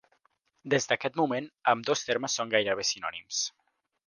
Des d'aquest moment, ambdós termes són gairebé sinònims.